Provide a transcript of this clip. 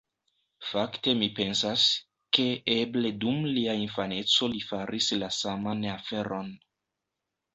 Fakte mi pensas, ke eble dum lia infaneco li faris la saman aferon.